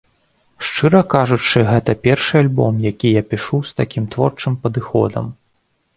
Шчыра кажучы, гэта першы альбом, які я пішу з такім творчым падыходам.